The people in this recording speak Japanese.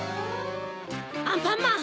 アンパンマン！